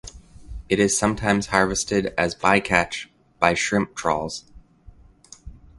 It is sometimes harvested as bycatch by shrimp trawls.